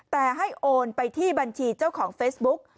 แต่ให้โอนไปที่บัญชีเจ้าของเฟซบุ๊ก